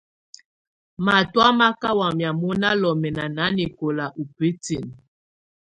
Matɔ̀á má kà wamɛ́à mɔ̀ná lɔmɛna nanɛkɔla ù bǝtinǝ́.